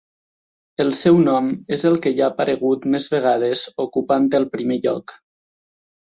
El seu nom és el que hi ha aparegut més vegades ocupant el primer lloc.